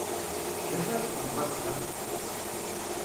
D acu ara txedmeḍ azekka?